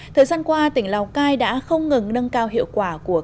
thời gian qua tỉnh lào cai đã không ngừng nâng cao hiệu quả của công ty